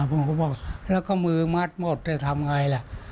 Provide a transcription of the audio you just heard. ผมก็บอกแล้วก็มือมัดหมดจะทำอย่างไรล่ะ